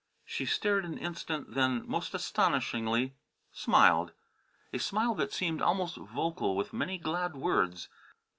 She stared an instant then most astonishingly smiled, a smile that seemed almost vocal with many glad words.